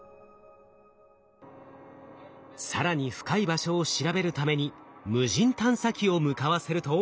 更に深い場所を調べるために無人探査機を向かわせると。